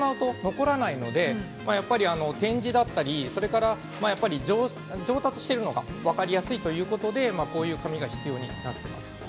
ただ、消えてしまうとわからないので、やっぱり展示だったり、上達しているのが分かりやすいということで、こういう紙が必要になっています。